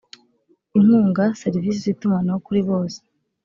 inkunga serivisi z itumanaho kuri bose